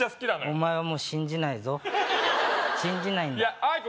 お前はもう信じないぞ信じないんだいや